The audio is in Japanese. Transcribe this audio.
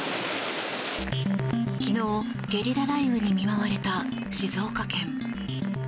昨日、ゲリラ雷雨に見舞われた静岡県。